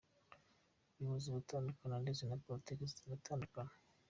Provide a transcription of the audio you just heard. Ubuyobozi buratandukana ndetse na Politiki ziratandukana.